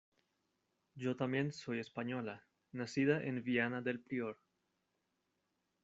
yo también soy española, nacida en Viana del Prior.